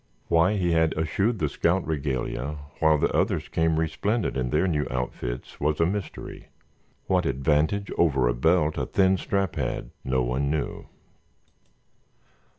Why he had eschewed the scout regalia while the others came resplendent in their new outfits was a mystery. What advantage over a belt the thin strap had, no one knew.